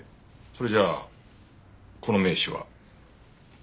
それじゃあこの名刺は？